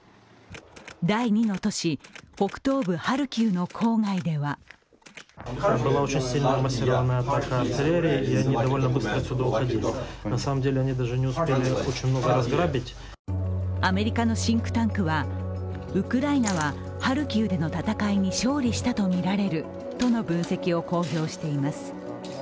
第二の都市、北東部ハルキウの郊外ではアメリカのシンクタンクはウクライナはハルキウでの戦いに勝利したとみられるとの分析を公表しています。